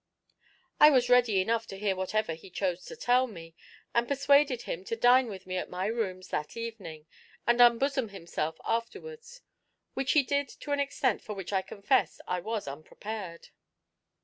I was ready enough to hear whatever he chose to tell me; and persuaded him to dine with me at my rooms that evening, and unbosom himself afterwards, which he did to an extent for which I confess I was unprepared.